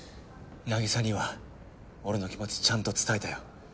凪沙には俺の気持ちちゃんと伝えたよ。